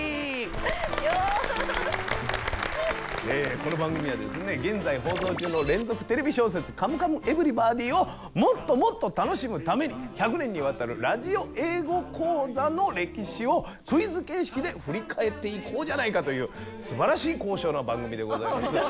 この番組はですね現在放送中の連続テレビ小説「カムカムエヴリバディ」をもっともっと楽しむために１００年にわたる「ラジオ英語講座」の歴史をクイズ形式で振り返っていこうじゃないかというすばらしい高尚な番組でございます。